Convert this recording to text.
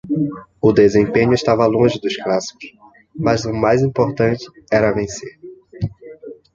O desempenho estava longe dos clássicos, mas o mais importante era vencer.